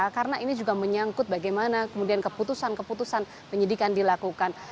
karena ini juga menyangkut bagaimana kemudian keputusan keputusan penyidikan dilakukan